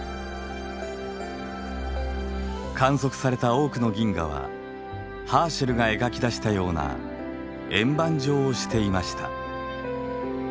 観測された多くの銀河はハーシェルが描き出したような円盤状をしていました。